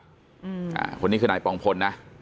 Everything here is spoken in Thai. อืมอ่าคนนี้คือนายปองพลนะ